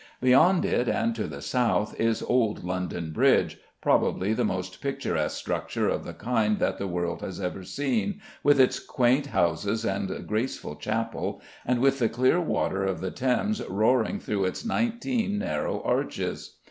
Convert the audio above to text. Beyond it, and to the south, is old London Bridge, probably the most picturesque structure of the kind that the world has ever seen, with its quaint houses and graceful chapel, and with the clear water of the Thames roaring through its nineteen narrow arches.